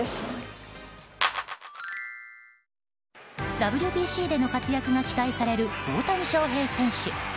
ＷＢＣでの活躍が期待される大谷翔平選手。